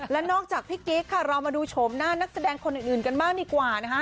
และนอกจากพี่กิ๊กค่ะเรามาดูโฉมหน้านักแสดงคนอื่นกันบ้างดีกว่านะคะ